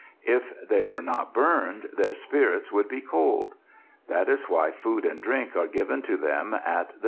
If they were not burned their spirits would be cold. That is why food and drink are given to them at the feast of the dead.